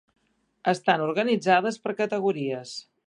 Estan organitzades per categories.